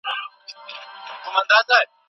ولي لېواله انسان د لایق کس په پرتله لوړ مقام نیسي؟